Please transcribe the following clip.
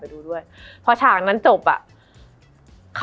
มันทำให้ชีวิตผู้มันไปไม่รอด